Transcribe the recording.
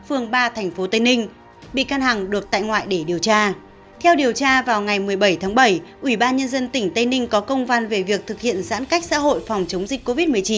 ủy ban nhân dân tỉnh tây ninh có công văn về việc thực hiện giãn cách xã hội phòng chống dịch covid một mươi chín